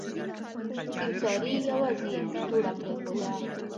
سيمسارې يوازې دوړه پرېښوده.